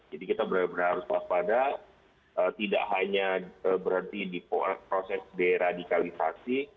jadi kita berharus berharap pada tidak hanya berhenti di proses deradikalisasi